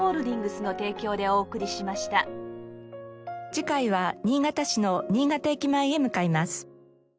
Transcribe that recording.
次回は新潟市の新潟駅前へ向かいます。